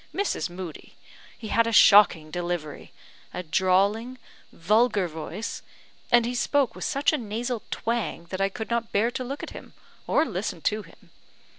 Mrs. Moodie! he had a shocking delivery, a drawling, vulgar voice; and he spoke with such a nasal twang that I could not bear to look at him, or listen to him.